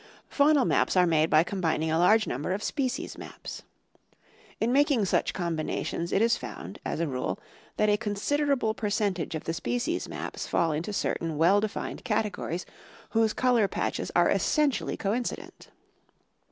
Faunal maps are made by combining a large number of species maps. In making such combinations it is found, as a rule, that a considerable percentage of the species maps fall into certain well defined categories whose color patches are essentially coin cident.